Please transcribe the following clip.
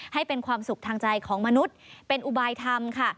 ให้เป็นความสุขทางใจของมนุษย์เป็นอุบายธรรมค่ะ